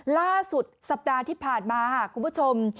ล่าสุดสัปดาห์ที่ผ่านมาคุณผู้ชม